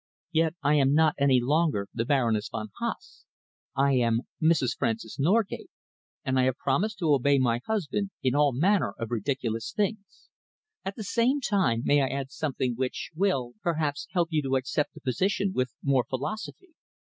Yet I am not any longer the Baroness von Haase. I am Mrs. Francis Norgate, and I have promised to obey my husband in all manner of ridiculous things. At the same time, may I add something which will, perhaps, help you to accept the position with more philosophy?